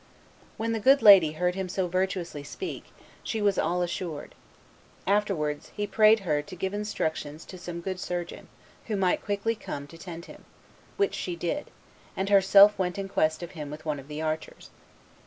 "When the good lady heard him so virtuously speak, she was all assured. Afterwards, he prayed her to give instructions to some good surgeon, who might quickly come to tend him; which she did, and herself went in quest of him with one of the archers.